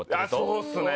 そうですね。